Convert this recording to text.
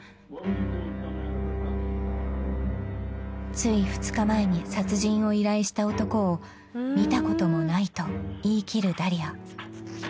［つい２日前に殺人を依頼した男を見たこともないと言い切るダリア］